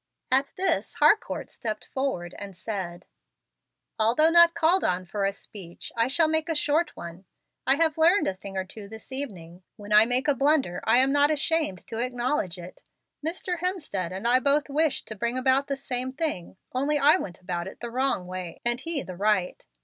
At this Harcourt stepped forward and said: "Although not called on for a speech, I shall make a short one. I have learned a thing or two this evening. When I make a blunder I am not ashamed to acknowledge it. Mr. Hemstead and I both wished to bring about the same thing, only I went about it the wrong way, and he the right.